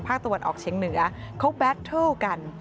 ตะวันออกเฉียงเหนือเขาแบตเทิลกัน